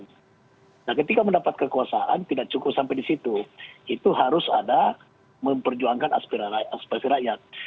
nah ketika mendapat kekuasaan tidak cukup sampai di situ itu harus ada memperjuangkan aspirasi rakyat